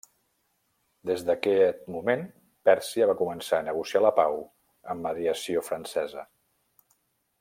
Des d'aquest moment Pèrsia va començar a negociar la pau amb mediació francesa.